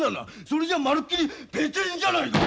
それじゃあまるっきりペテンじゃないか！